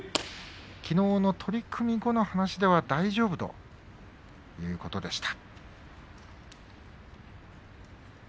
きのうの取組後の話では大丈夫ということでした。